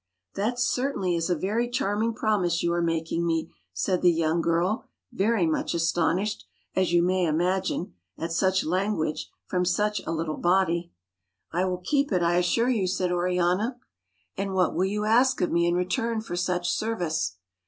" That certainly is a very charming promise you are mak ing me," said the young girl, very much astonished, as you may imagine, at such language from such a little body. 146 THE FAIRY SPINNING WHEEL " I will keep it, I assure you," said Oriana. " And what will you ask of me in return for such service